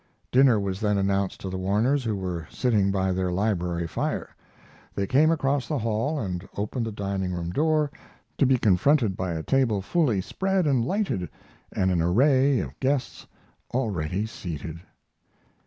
Dinner was then announced to the Warners, who were sitting by their library fire. They came across the hall and opened the dining room door, to be confronted by a table fully spread and lighted and an array of guests already seated.